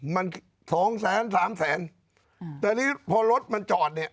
มันสองแสนสามแสนอืมแต่นี่พอรถมันจอดเนี่ย